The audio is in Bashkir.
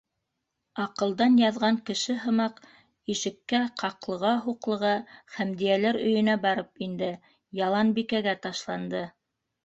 Аҡылдан яҙған кеше һымаҡ, ишеккә ҡаҡлыға-һуҡлыға, Хәмдиәләр өйөнә барып инде, Яланбикәгә ташланды.